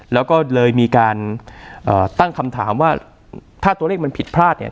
แล้วก็เลยมีการตั้งคำถามว่าถ้าตัวเลขมันผิดพลาดเนี่ย